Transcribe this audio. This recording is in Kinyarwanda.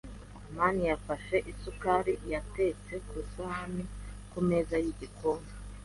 amani yafashe isukari yatetse ku isahani kumeza yigikoni.